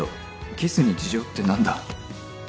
キスに事情って何だ？